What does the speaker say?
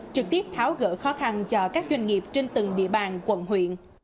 trực tiếp tháo gỡ khó khăn cho các doanh nghiệp trên từng địa bàn quận huyện